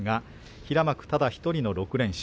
平幕ただ１人の６連勝。